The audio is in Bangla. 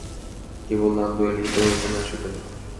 কেবল নান্দু এলেই তো এখানে আসো তুমি।